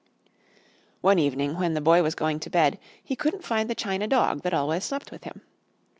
One evening, when the Boy was going to bed, he couldn't find the china dog that always slept with him.